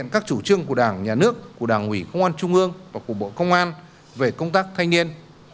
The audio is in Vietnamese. các chủ trương của đảng nhà nước của đảng ủy công an trung ương và của bộ công an về công tác thanh niên